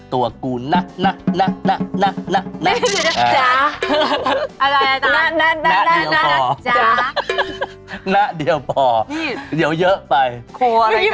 เสกน้ำล้างหน้าน้ำสุดท้ายเกิดไงกัน